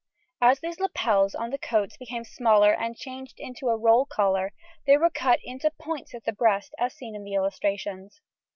As these lapels on the coats became smaller and changed into a roll collar, they were cut into points at the breast, as seen in the illustrations.